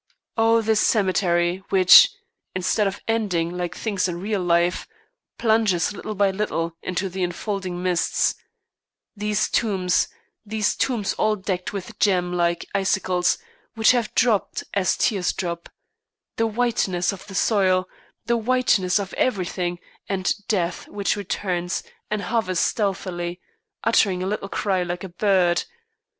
Oh this cemetery which, instead of ending like things in real life, plunges little by little into enfolding mists; these tombs, these tombs all decked with gem like icicles which have dropped as tears drop; the whiteness of the soil, the whiteness of everything, and Death which returns and hovers stealthily, uttering a little cry like a bird!